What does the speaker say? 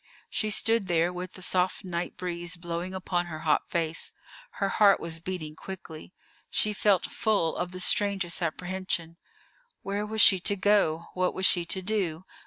She stood there, with the soft night breeze blowing upon her hot face; her heart was beating quickly: she felt full of the strangest apprehension. Where was she to go? What was she to do?